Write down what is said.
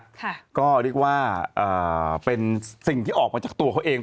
ค่ะก็เรียกว่าอ่าเป็นสิ่งที่ออกมาจากตัวเขาเอง